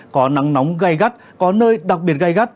có nắng nóng gai gắt có nơi đặc biệt gai gắt